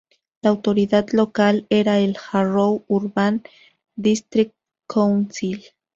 La autoridad local era el Harrow Urban District Council.